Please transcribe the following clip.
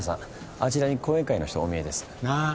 あちらに後援会の人お見えです。なぁ？